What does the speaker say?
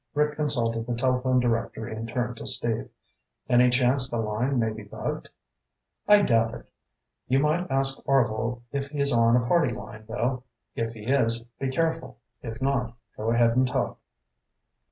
Rick consulted the telephone directory and turned to Steve. "Any chance the line may be bugged?" "I doubt it. You might ask Orvil if he's on a party line, though. If he is, be careful. If not, go ahead and talk."